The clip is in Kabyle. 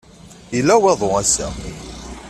Yella waḍu ass-a.